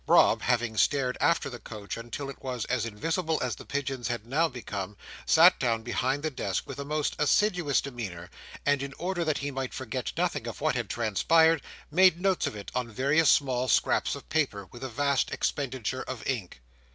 Rob having stared after the coach until it was as invisible as the pigeons had now become, sat down behind the desk with a most assiduous demeanour; and in order that he might forget nothing of what had transpired, made notes of it on various small scraps of paper, with a vast expenditure of ink.